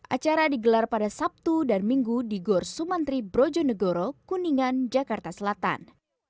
acara digelar pada sabtu dan minggu di gor sumantri brojonegoro kuningan jakarta selatan